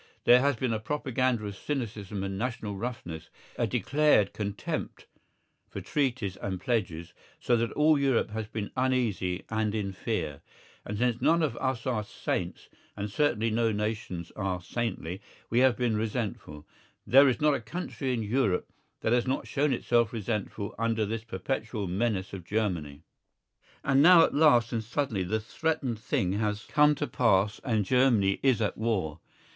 There has been a propaganda of cynicism and national roughness, a declared contempt for treaties and pledges, so that all Europe has been uneasy and in fear. And since none of us are saints, and certainly no nations are saintly, we have been resentful; there is not a country in Europe that has not shown itself resentful under this perpetual menace of Germany. And now at last and suddenly the threatened thing has come to pass and Germany is at war.